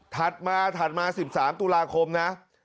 ถัดมาถัดมา๑๓ตุลาคมนะ